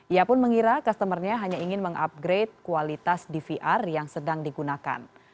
ia pun mengira customer nya hanya ingin mengupgrade kualitas dvr yang sedang digunakan